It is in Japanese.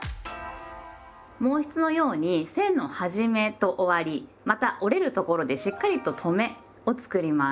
毛筆のように線の始めと終わりまた折れるところでしっかりと「とめ」を作ります。